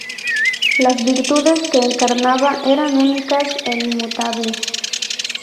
Las virtudes que encarnaba eran únicas e inmutables.